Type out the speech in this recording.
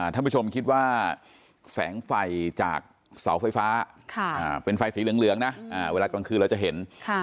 ท่านผู้ชมคิดว่าแสงไฟจากเสาไฟฟ้าเป็นไฟสีเหลืองนะเวลากลางคืนเราจะเห็น